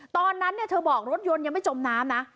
ตอนนั้นเธอบอกรถยนต์ยังไม่จมน้ำนะ